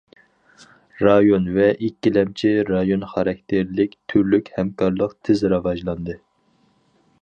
رايون ۋە ئىككىلەمچى رايون خاراكتېرلىك تۈرلۈك ھەمكارلىق تېز راۋاجلاندى.